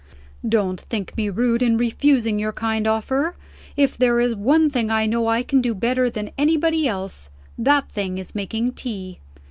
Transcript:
"Don't think me rude, in refusing your kind offer. If there is one thing I know I can do better than anybody else, that thing is making tea.